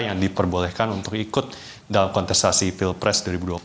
yang diperbolehkan untuk ikut dalam kontestasi pilpres dua ribu dua puluh